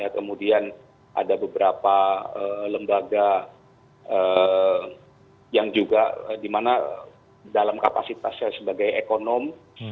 kemudian ada beberapa lembaga yang juga dimana dalam kapasitas saya sebagai ekonom